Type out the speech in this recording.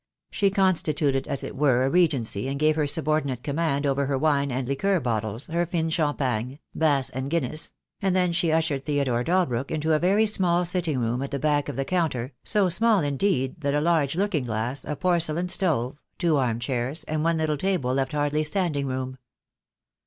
She constituted as it were I 88 THE DAY WILL COME. a Regency, and gave her subordinate command over her wine and liqueur bottles, her fine champagne , Bass and Guinness; and then she ushered Theodore Dalbrook into a very small sitting room at the back of the counter, so small indeed that a large looking glass, a porcelain stove, two arm chairs, and one little table left hardly standing room.